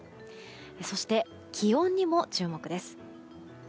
そして気温にも注目です。